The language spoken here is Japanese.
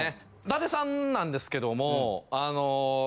伊達さんなんですけども。